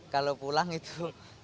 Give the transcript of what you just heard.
kalau pulang itu